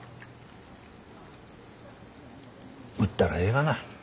売ったらええがな。